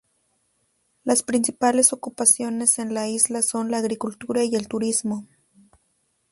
Las principales ocupaciones en la isla son la agricultura y el turismo.